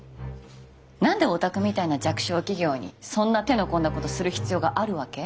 何でおたくみたいな弱小企業にそんな手の込んだことする必要があるわけ？